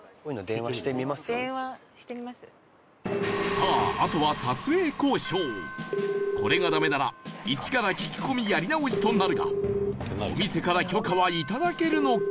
さあ、あとは撮影交渉これがダメなら１から聞き込みやり直しとなるがお店から許可はいただけるのか？